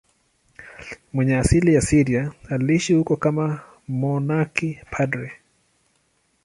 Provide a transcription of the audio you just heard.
Mwenye asili ya Syria, aliishi huko kama mmonaki padri.